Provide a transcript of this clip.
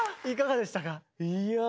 いかがでしたか？